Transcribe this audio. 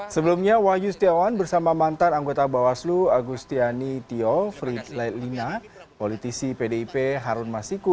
sebelumnya wahyu setiawan bersama mantan anggota bawaslu agustiani tio frit lailina politisi pdip harun masiku